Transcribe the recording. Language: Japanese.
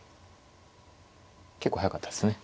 結構速かったですね。